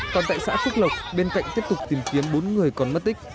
còn tại xã phước lộc bên cạnh tiếp tục tìm kiếm bốn người còn mất tích